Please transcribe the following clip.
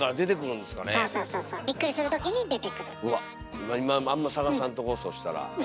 今あんま探さんとこそしたら。